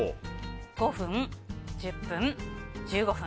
５分、１０分、１５分。